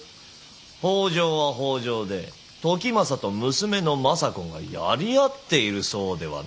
北条は北条で時政と娘の政子がやり合っているそうではないか。